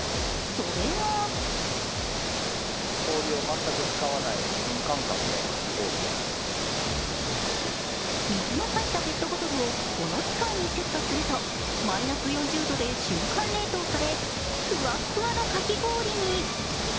それが水の入ったペットボトルをこの機械にセットするとマイナス４０度で瞬間冷凍されふわっふわのかき氷に。